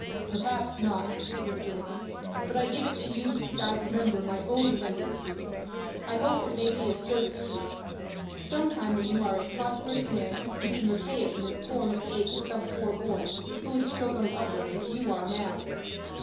"Perhaps not," said Mr. Whitney; "but I give it to you because I remember my own friendless youth. I hope it may be of service to you. Sometime when you are a prosperous man, you can repay it in the form of aid to some poor boy, who is struggling upward as you are now."